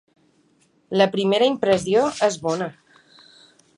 La primera impressió és bona.